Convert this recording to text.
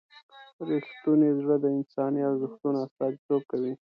رښتونی زړه د انساني ارزښتونو استازیتوب کوي.